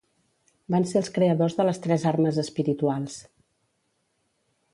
Van ser els creadors de les tres armes espirituals.